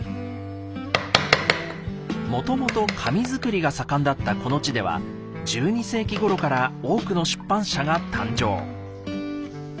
もともと紙作りが盛んだったこの地では１２世紀ごろから多くの出版社が誕生。